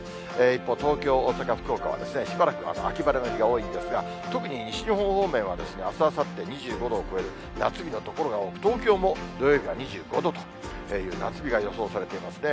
一方、東京、大阪、福岡はしばらく秋晴れの日が多いんですが、特に西日本方面は、あす、あさって、２５度を超える夏日の所が多く、東京も土曜日は２５度という夏日が予想されていますね。